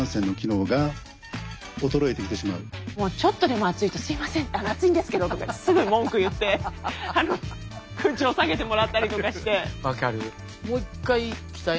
もうちょっとでも暑いと「すいません暑いんですけど」とかってすぐ文句言って空調を下げてもらったりとかして。